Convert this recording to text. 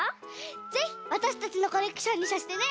ぜひわたしたちのコレクションにさせてね！